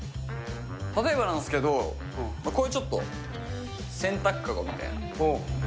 例えばなんですけど、こういうちょっと、洗濯籠みたいな。